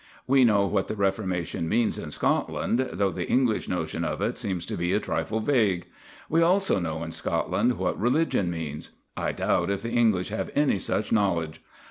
We know what the Reformation means in Scotland, though the English notion of it seems to be a trifle vague. We also know in Scotland what religion means. I doubt if the English have any such knowledge.